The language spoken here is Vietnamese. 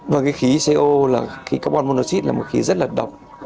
nói về khí co carbon monoxide là một khí rất là độc